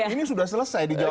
ini sudah selesai di jawaban